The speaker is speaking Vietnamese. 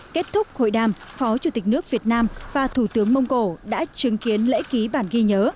kết thúc hội đàm phó chủ tịch nước việt nam và thủ tướng mông cổ đã chứng kiến lễ ký bản ghi nhớ